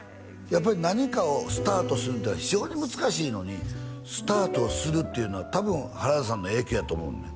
やっぱり何かをスタートするっていうのは非常に難しいのにスタートをするっていうのは多分原田さんの影響やと思うのね